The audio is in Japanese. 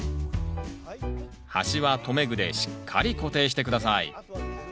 端は留め具でしっかり固定して下さい。